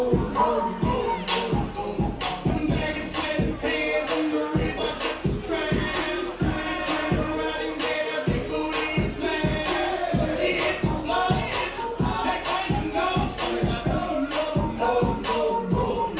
ว่าเริ่ม